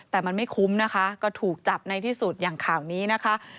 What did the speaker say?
แต่มันไม่คุ้มนะคะก็ถูกจับในที่สุดอย่างข่าวนี้นะคะ